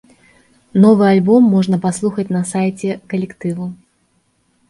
Новы альбом можна паслухаць на сайце калектыву.